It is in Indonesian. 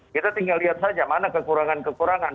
kita tinggal lihat saja mana kekurangan kekurangan